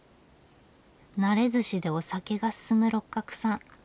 なれ寿しでお酒が進む六角さん。